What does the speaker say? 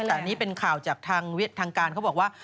แต่อันนี้เป็นข่าวจากทางการเขาบอกว่า